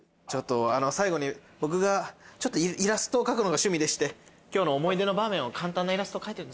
最後に僕がイラストを描くのが趣味でして今日の思い出の場面を簡単なイラストを描いてるんです。